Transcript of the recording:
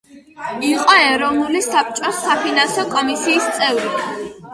იყო ეროვნული საბჭოს საფინანსო კომისიის წევრი.